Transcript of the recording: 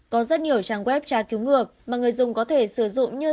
có rất nhiều trang web tra cứu ngược mà người dùng có thể sử dụng như